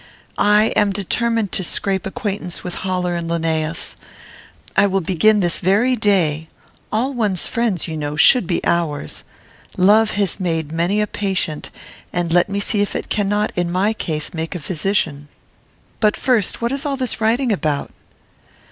I am determined to scrape acquaintance with Haller and Linnæus. I will begin this very day. All one's friends, you know, should be ours. Love has made many a patient, and let me see if it cannot, in my case, make a physician. But, first, what is all this writing about?"